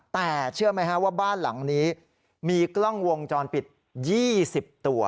แต่เชื่อไหมฮะว่าบ้านหลังนี้มีกล้องวงจรปิด๒๐ตัว